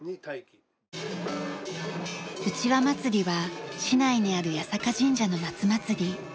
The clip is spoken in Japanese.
うちわ祭は市内にある八坂神社の夏祭り。